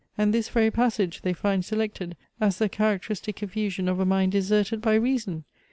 And this very passage they find selected, as the characteristic effusion of a mind deserted by reason!